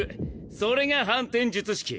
それが反転術式。